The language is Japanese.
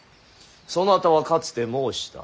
そなたはかつて申した。